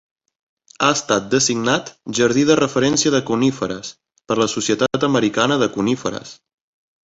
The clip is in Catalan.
Ha estat designat jardí de referència de Coníferes per la Societat Americana de Coníferes.